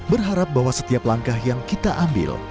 berharap bahwa setiap langkah yang kita ambil